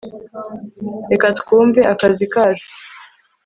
reka twumve akazi kacu